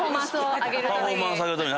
パフォーマンスを上げるために。